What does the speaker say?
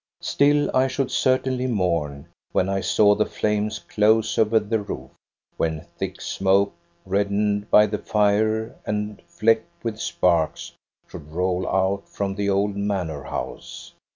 Still, I should certainly mourn when I saw the flames close over the roof, when thick smoke, red dened by the fire and flecked with sparks, should roll out from the old manor house.